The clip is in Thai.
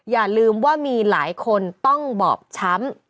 อย่าลืมว่ามีหลายคนต้องบอบช้ำ